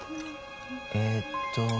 えっと。